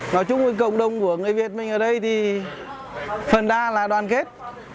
nói chung với cộng đồng của người việt mình ở đây thì phần đa là đoàn kết